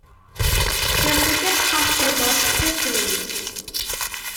His greatest passion was history.